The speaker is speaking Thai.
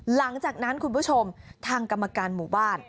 หลังจากนั้นคุณผู้ชมทางกรรมการหมู่บ้าน